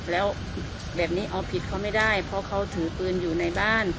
แล้วแบบนี้เอาผิดเขาไม่ได้เพราะเขาถือปืนอยู่ในบ้าน